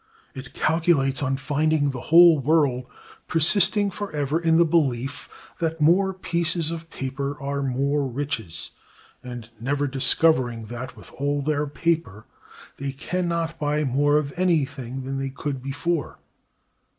It calculates on finding the whole world persisting forever in the belief that more pieces of paper are more riches, and never discovering that, with all their paper, they can not buy more of anything than they could before.